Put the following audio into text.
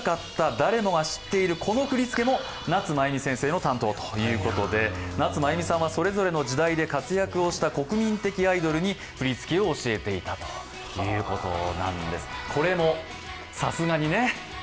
誰もが知っているこの振り付けも夏まゆみ先生の担当ということで、夏まゆみさんはそれぞれの時代で活躍をした国民的アイドルに振り付けを教えていたということなんですこれも、さすがにね。